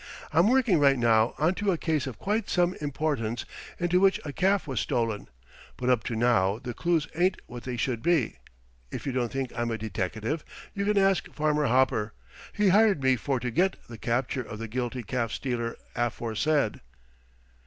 I'm working right now onto a case of quite some importance, into which a calf was stolen, but up to now the clues ain't what they should be. If you don't think I'm a deteckative you can ask Farmer Hopper. He hired me for to get the capture of the guilty calf stealer aforesaid."